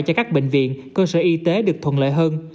cho các bệnh viện cơ sở y tế được thuận lợi hơn